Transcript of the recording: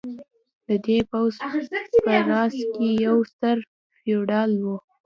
د دې پوځ په راس کې یو ستر فیوډال و.